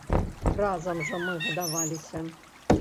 Разам жа мы гадаваліся.